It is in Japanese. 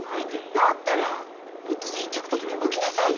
だったらもっと積極的に動きなさいよ。